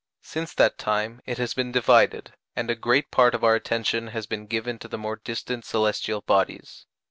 Since that time it has been divided, and a great part of our attention has been given to the more distant celestial bodies.